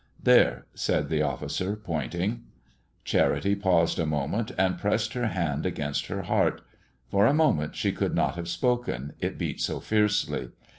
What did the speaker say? "There," said the officer, pointing. Charity paused a moment and pressed her hand against her heart; for a moment she could not have spoken, it beat so fiercely.